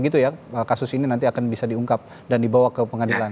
terang benerang kurang lebih begitu ya kasus ini nanti akan bisa diungkap dan dibawa ke pengadilan